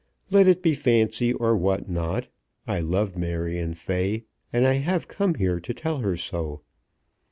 Let it be fancy or what not, I love Marion Fay, and I have come here to tell her so.